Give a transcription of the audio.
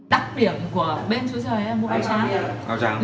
đặc điểm của bên chú trời là mua áo trắng